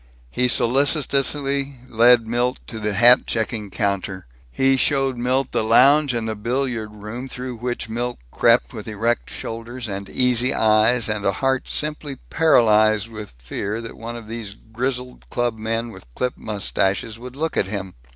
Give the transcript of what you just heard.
He solicitously led Milt to the hat checking counter. He showed Milt the lounge and the billiard room, through which Milt crept with erect shoulders and easy eyes and a heart simply paralyzed with fear that one of these grizzled clubmen with clipped mustaches would look at him.